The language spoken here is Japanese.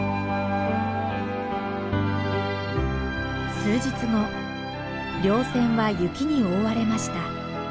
数日後稜線は雪に覆われました。